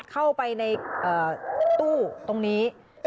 เข้าไปในตู้ตรงนี้